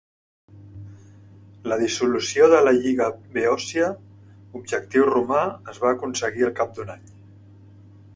La dissolució de la Lliga Beòcia, objectiu romà, es va aconseguir al cap d'un any.